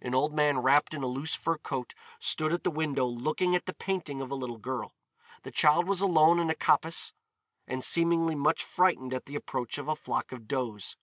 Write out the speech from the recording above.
An old man wrapped in a loose fur coat stood at the window looking at the painting of a little girl. The child was alone in a coppice and seemingly much frightened at the approach of a flock of does.